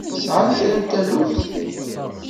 Tesɛa kra n taluft?